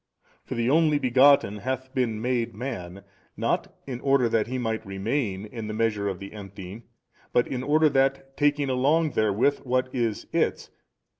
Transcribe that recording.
For the Only Begotten hath been made man, not in order that He might remain in the |287 measure of the emptying, but in order that taking along therewith what is its.